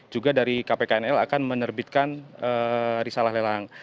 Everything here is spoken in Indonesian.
juga dari kpknl akan menerbitkan risalah lelang